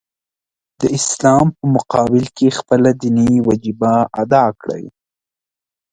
د اسلام په مقابل کې خپله دیني وجیبه ادا کوي.